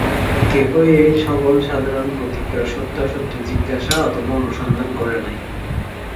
কেহই এই সকল সাধারণ প্রতিজ্ঞার সত্যাসত্য জিজ্ঞাসা অথবা অনুসন্ধান করে নাই।